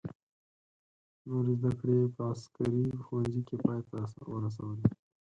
نورې زده کړې یې په عسکري ښوونځي کې پای ته ورسولې.